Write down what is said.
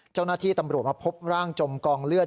เจ้าหน้าที่ตำรวจมาพบร่างจมกองเลือด